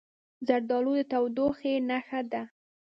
زردالو د تودوخې نښه ده.